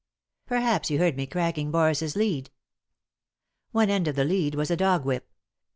" Perhaps you heard me cracking Boris's lead." One end of the lead was a dog whip.